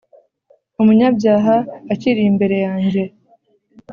Umunyabyaha akirimbere yanjye